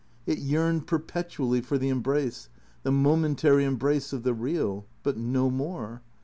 It yearned perpetually for the embrace, the momentary embrace of the real. But no more.